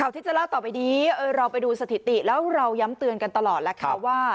ที่จะเล่าต่อไปนี้เราไปดูสถิติแล้วเราย้ำเตือนกันตลอดแล้วค่ะว่า